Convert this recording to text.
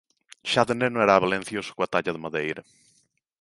Xa de neno era habelencioso coa talla de madeira.